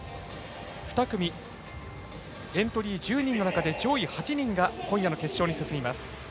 ２組エントリー１０人の中で上位８人が今夜の決勝に進みます。